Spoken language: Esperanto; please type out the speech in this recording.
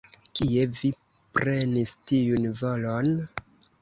Kie vi prenis tiun volon?